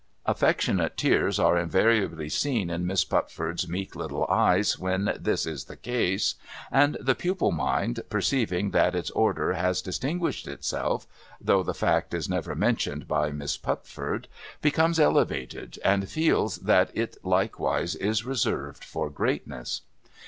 Affectionate tears are invariably seen in Miss Pupford's meek little eyes when this is the case ; and the pupil mind, perceiving that its order has distinguished itself — though the fact is never mentioned by Miss Pupford^ — becomes elevated, and feels that it likewise is reserved for greatness.